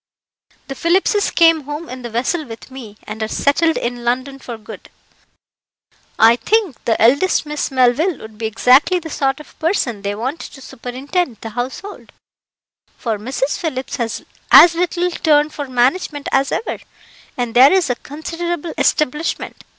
"The Phillipses came home in the vessel with me, and are settled in London for good. I think the eldest Miss Melville would be exactly the sort of person they want to superintend the household, for Mrs. Phillips has as little turn for management as ever, and there is a considerable establishment.